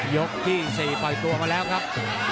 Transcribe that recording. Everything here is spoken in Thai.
ยกที่๔ปล่อยตัวมาแล้วครับ